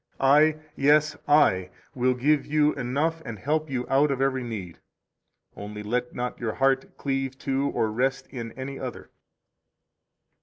I, yes, I, will give you enough and help you out of every need; only let not your heart cleave to or rest in any other.